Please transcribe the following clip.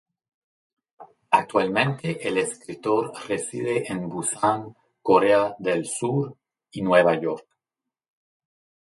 Actualmente, el escritor reside en Busan, Corea del Sur, y Nueva York.